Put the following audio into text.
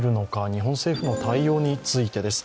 日本政府の対応についてです。